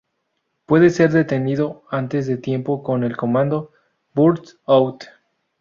Puede ser detenido antes de tiempo con el comando "Burst Out".